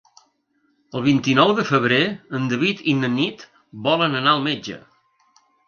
El vint-i-nou de febrer en David i na Nit volen anar al metge.